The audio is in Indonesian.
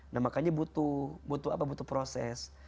nah makanya butuh proses